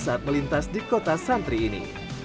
saat melintas di kota santri ini